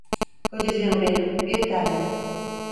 Kocacığım benim, bir tanem…